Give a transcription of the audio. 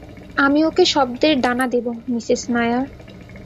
আমি ওকে শব্দের ডানা দেব, মিসেস নায়ার।